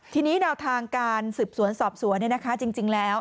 ทีนี้เราทางการฝ่ายสืบสวนฝ่ายสอบสวนจริงแล้ว